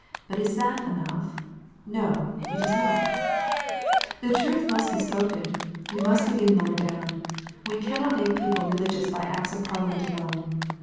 But is that enough 1 No : it is not ! The truth must be spoken : we must begin lower down. We cannot make people religious by Acts of Parliament alone.